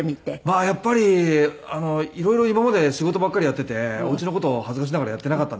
まあやっぱり色々今まで仕事ばっかりやっていてお家の事を恥ずかしながらやっていなかったんですけど。